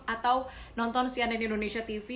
atau nonton cnn indonesia tv